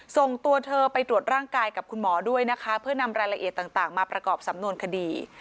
ส่งตัวเธอไปตรวจร่างกายกับคุณหมอด้วยนะคะเพื่อนำรายละเอียดต่างมาประกอบสำนวนคดี